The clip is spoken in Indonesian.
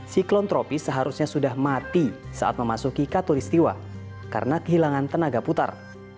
siklon tropis seharusnya sudah mati saat memasuki katolistiwa karena kehilangan tenaga putar